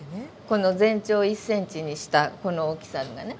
この全長１ｃｍにしたこの大きさがね。